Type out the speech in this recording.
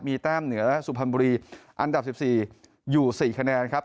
มีแต้มเหนือสุพรรณบุรีอันดับ๑๔อยู่๔คะแนนครับ